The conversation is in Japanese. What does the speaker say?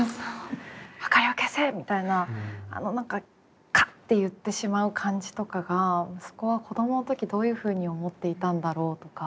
「明かりを消せ！」みたいなあの何かカッて言ってしまう感じとかがそこは子供の時どういうふうに思っていたんだろうとか。